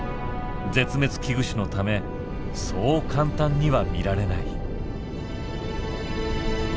絶滅危惧種のためそう簡単には見られない。